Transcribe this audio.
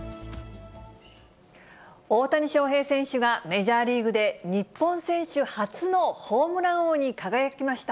大谷翔平選手がメジャーリーグで日本選手初のホームラン王に輝きました。